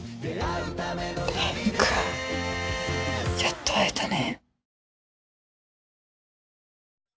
蓮くんやっと会えたね。